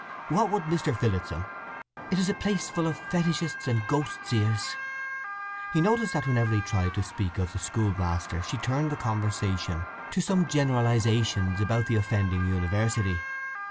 "What would Mr. Phillotson—" "It is a place full of fetishists and ghost seers!" He noticed that whenever he tried to speak of the schoolmaster she turned the conversation to some generalizations about the offending university.